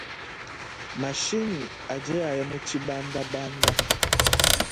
Mashinyi adi aya mu tshibandabanda.